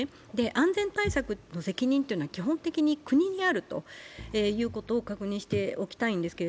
安全対策と責任というのは基本的に国にあるということを確認しておきたいんです。